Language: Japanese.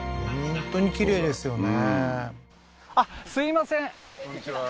本当にきれいですよね